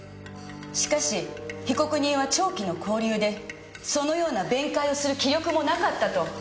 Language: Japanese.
しかし被告人は長期の勾留でそのような弁解をする気力もなかったと弁護人は主張します。